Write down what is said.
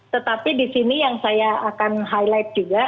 tetapi di sini yang saya akan highlight juga